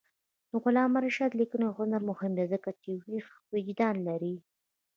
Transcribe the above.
د علامه رشاد لیکنی هنر مهم دی ځکه چې ویښ وجدان لري.